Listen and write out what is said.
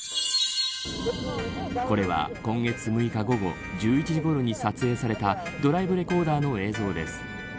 これは今月６日午後１１時ごろに撮影されたドライブレコーダーの映像です。